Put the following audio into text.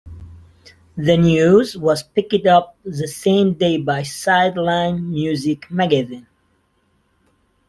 The news was picked up the same day by Side-Line music magazine.